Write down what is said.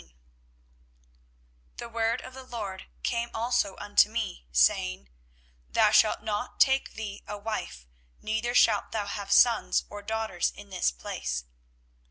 24:016:001 The word of the LORD came also unto me, saying, 24:016:002 Thou shalt not take thee a wife, neither shalt thou have sons or daughters in this place.